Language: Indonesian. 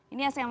ini smk bima